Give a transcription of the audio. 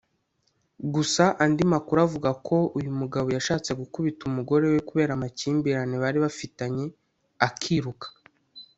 Gusa andi makuru avuga ko uyu mugabo yashatse gukubita umugore we kubera amakimbirane bari bafitanye akiruka